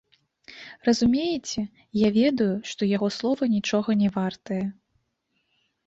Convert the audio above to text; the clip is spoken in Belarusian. Разумееце, я ведаю, што яго слова нічога не вартае.